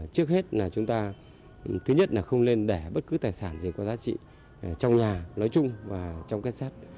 trước hết là chúng ta thứ nhất là không nên để bất cứ tài sản gì có giá trị trong nhà nói chung và trong kết sát